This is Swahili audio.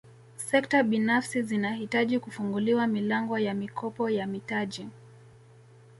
Sekta binafsi zinahitaji kufunguliwa milango ya mikopo na mitaji